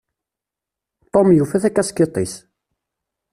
Tom yufa takaskiṭ-is.